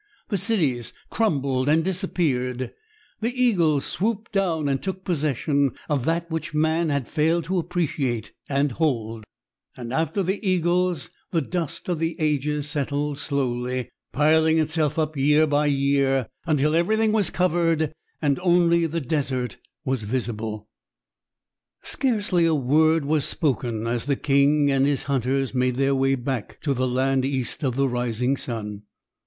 The cities crumbled and disappeared, the eagles swooped down and took possession of that which man had failed to appreciate and hold; and after the eagles the dust of the ages settled slowly, piling itself up year by year until everything was covered and only the desert was visible. Scarcely a word was spoken as the king and his hunters made their way back to the land East of the Rising Sun.